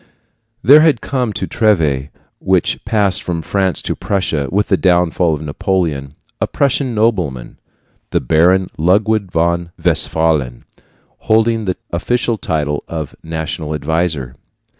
There had come to Treves which passed from France to Prussia with the downfall of Napoleon a Prussian nobleman, the Baron Ludwig von Westphalen, holding the official title of "national adviser."